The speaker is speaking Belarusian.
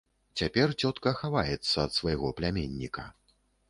Цяпер цётка хаваецца ад свайго пляменніка.